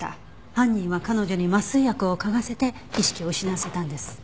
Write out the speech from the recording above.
犯人は彼女に麻酔薬を嗅がせて意識を失わせたんです。